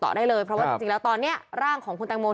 แต่เลยเพราะว่าตอนนี้ร่างของคุณตังโมเนี่ย